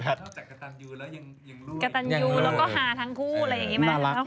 กระตันยูแล้วก็หาทั้งคู่